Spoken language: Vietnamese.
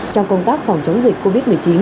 trong công tác phòng chống dịch covid một mươi chín